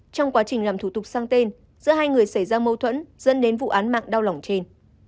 trong quá trình làm thủ tục sang tên giữa hai người xảy ra mâu thuẫn dẫn đến vụ án mạng đau lòng trên